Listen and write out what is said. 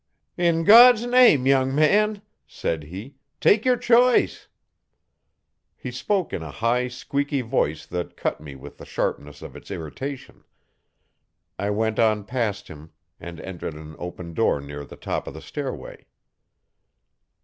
'In God's name! young man,' said he, 'take your choice.' He spoke in a high, squeaky voice that cut me with the sharpness of its irritation. I went on past him and entered an open door near the top of the stairway.